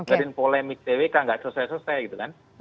dan mungkin polemik dwk enggak selesai selesai gitu kan